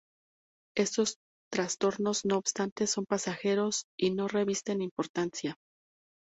Estos trastornos, no obstante, son pasajeros y no revisten importancia.